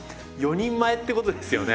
４人前ってことですよね？